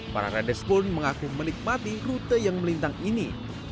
para rades pun mengaku menikmati rute yang melintang ini